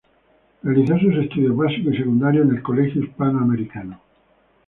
Realizó sus estudios básicos y secundarios en el Colegio Hispano Americano.